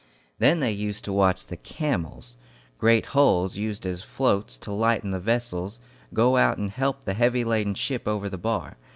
Then they used to watch the "camels," great hulls used as floats to lighten the vessels, go out and help the heavy laden ship over the bar.